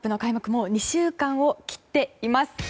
もう２週間を切っています。